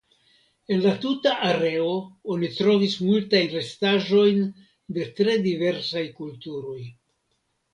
En la tuta areo oni trovis multajn restaĵojn de tre diversaj kulturoj.